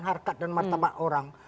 harkat dan martabat orang